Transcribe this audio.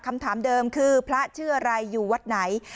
คำถามเดิมคือพระชื่ออะไรอยู่วัดไหน